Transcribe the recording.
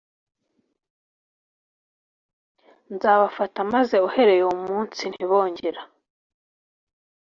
nzabafata Maze uhereye uwo munsi ntibongera